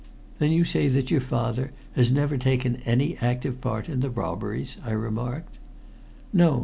"Then you say that your father has never taken any active part in the robberies?" I remarked. "No.